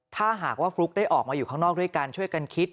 ถ้าหากว่าฟลุ๊กได้ออกมาอยู่ข้างนอกด้วยกันช่วยกันคิด